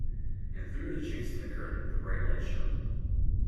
And through the chinks in the curtain the bright light shone.